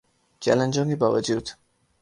چیلنجوں کے باوجو